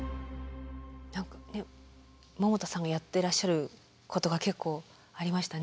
何か百田さんがやってらっしゃることが結構ありましたね。